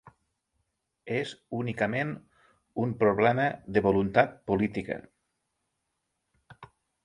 És únicament un problema de voluntat política.